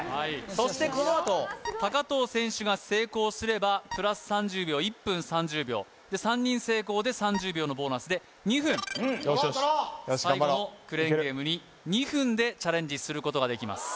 そしてこのあと藤選手が成功すればプラス３０秒１分３０秒で３人成功で３０秒のボーナスで２分よしよし最後のクレーンゲームに２分でチャレンジすることができます